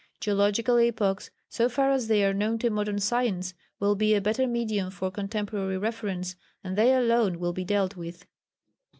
Geological epochs, so far as they are known to modern science, will be a better medium for contemporary reference, and they alone will be dealt with.